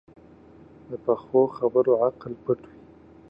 پخو خبرو عقل پټ وي